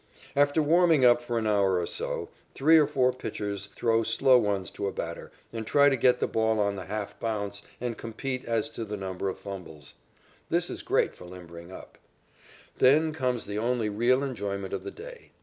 After warming up for an hour or so, three or four pitchers throw slow ones to a batter and try to get the ball on the half bounce and compete as to the number of fumbles. This is great for limbering up. Then comes the only real enjoyment of the day.